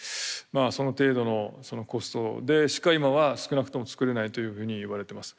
その程度のコストでしか今は少なくとも作れないというふうに言われてます。